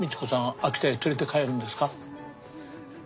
秋田へ連れて帰るんですか？